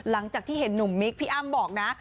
หลังจากที่เห็นหนุ่มมิคพี่อ้ำบอกนะ